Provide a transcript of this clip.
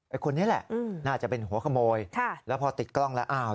คนนี้แหละน่าจะเป็นหัวขโมยค่ะแล้วพอติดกล้องแล้วอ้าว